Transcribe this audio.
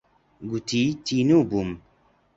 گوتی تینوو بووم.